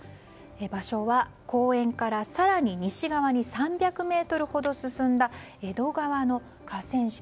場所は公園から更に西側に３００ｍほど進んだ江戸川の河川敷。